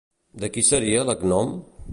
De qui seria l'agnom?